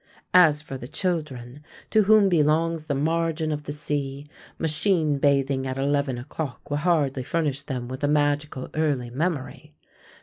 As for the children, to whom belongs the margin of the sea, machine bathing at eleven o'clock will hardly furnish them with a magical early memory.